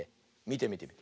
みてみて。